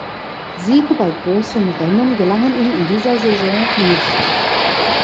Siege bei großen Rennen gelangen ihm in dieser Saison nicht.